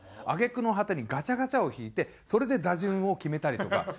揚げ句の果てにガチャガチャを引いてそれで打順を決めたりとか。